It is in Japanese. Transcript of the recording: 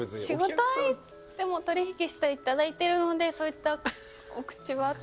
仕事相手でも取引していただいてるのでそういったお口は。